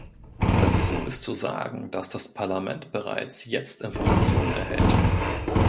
Dazu ist zu sagen, dass das Parlament bereits jetzt Informationen erhält.